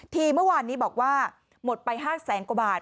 เมื่อวานนี้บอกว่าหมดไป๕แสนกว่าบาท